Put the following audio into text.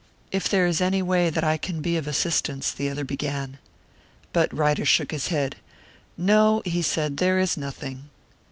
"If there is any way that I can be of assistance," the other began. But Ryder shook his head. "No," he said; "there is nothing."